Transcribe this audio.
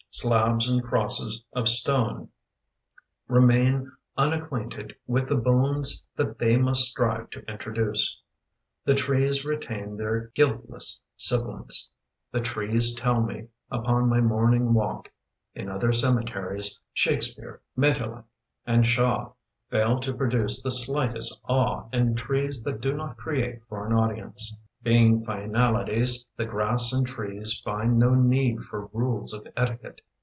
Slabs and crosses of stone Remain unacquainted with the bones That they must strive to introduce. The trees retain their guiltless sibilants. The trees tell me upon my morning walk: " In other cemeteries, Shakespeare, Maeterlinck and Shaw Fail to produce the slightest awe In trees that do not create for an audience. " Being finalities, the grass and trees Find no need for rules of etiquette.